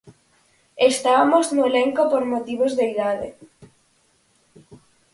Estabamos no elenco por motivos de idade.